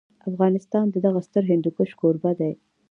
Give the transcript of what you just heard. افغانستان د دغه ستر هندوکش کوربه دی.